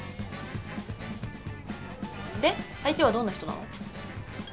で相手はどんな人なの？